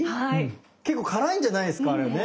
結構辛いんじゃないすかあれね。